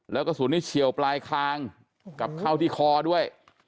แล้วกระสุนนี้เฉียวปลายคางกับเข้าที่คอด้วย